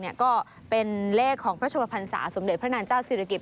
ก็เป็นเลขของพระชมพันศาสมเด็จพระนางเจ้าศิริกิจ